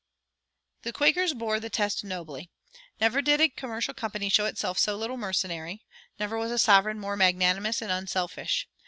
The Quakers bore the test nobly. Never did a commercial company show itself so little mercenary; never was a sovereign more magnanimous and unselfish.